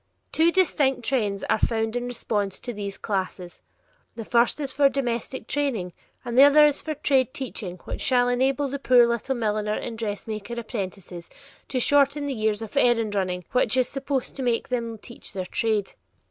Two distinct trends are found in response to these classes; the first is for domestic training, and the other is for trade teaching which shall enable the poor little milliner and dressmaker apprentices to shorten the years of errand running which is supposed to teach them their trade.